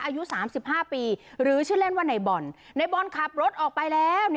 อายุ๓๕ปีหรือชื่อเล่นว่าในบอลในบอลขับรถออกไปแล้ว